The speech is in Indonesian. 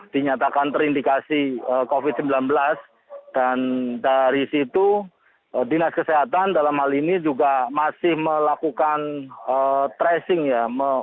dinyatakan terindikasi covid sembilan belas dan dari situ dinas kesehatan dalam hal ini juga masih melakukan tracing ya